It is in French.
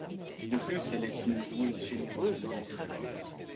De plus, elle est une joueuse généreuse dans les efforts.